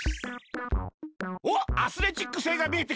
おっアスレチック星がみえてきたぞ！